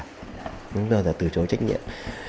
không bao giờ từ chối trách nhiệm